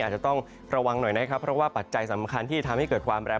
อาจจะต้องระวังหน่อยนะครับเพราะว่าปัจจัยสำคัญที่ทำให้เกิดความแรง